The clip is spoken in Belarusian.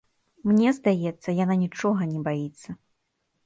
Мне здаецца, яна нічога не баіцца.